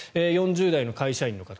４０代の会社員の方。